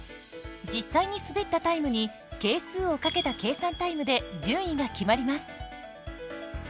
実際に滑ったタイムに係数をかけた計算タイムで順位が決まります。